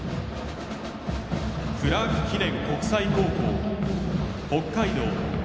クラーク記念国際高校・北海道。